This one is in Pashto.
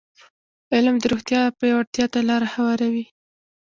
علم د روغتیا پیاوړتیا ته لاره هواروي.